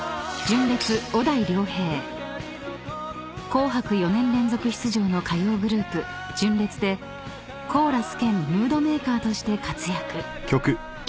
［『紅白』４年連続出場の歌謡グループ純烈でコーラス兼ムードメーカーとして活躍］